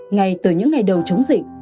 ngay từ những ngày đầu chống dịch